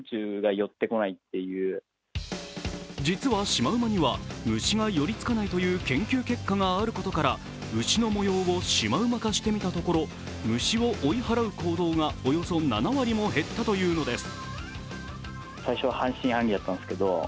実はシマウマには虫が寄りつかないという研究結果があることから牛の模様をシマウマ化してみたところ牛を追い払う行動がおよそ７割も減ったというのです。